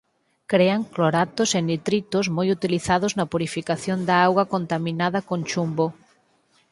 Crean cloratos e nitritos moi utilizados na purificación da auga contaminada con chumbo.